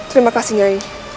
terima kasih ngai